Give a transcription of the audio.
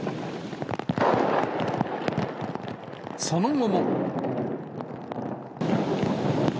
その後も。